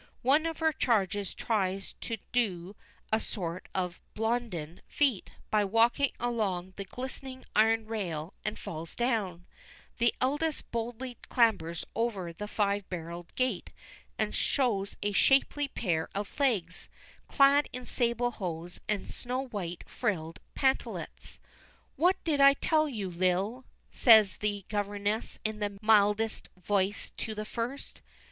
One of her charges tries to do a sort of Blondin feat by walking along the glistening iron rail and falls down; the eldest boldly clambers over the five barred gate and shows a shapely pair of legs, clad in sable hose and snow white frilled pantalettes. "What did I tell you, Lil?" says the governess in the mildest voice to the first.